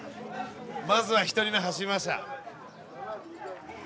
まずは１人目走りました。